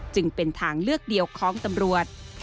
จึงเป็นทางเลือกเดียวของตำรวจ